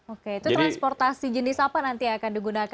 oke itu transportasi jenis apa nanti akan digunakan